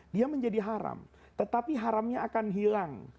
dia menjadi haram tetapi haramnya akan hilang